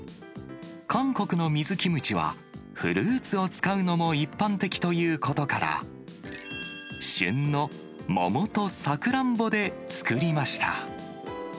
韓国の水キムチは、フルーツを使うのも一般的ということから、旬の桃とサクランボで作りました。